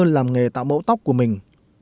làm nghề tạo mẫu tóc của mình